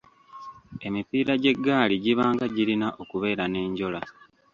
Emipiira gy’eggaali gibanga girina okubeera n'enjola.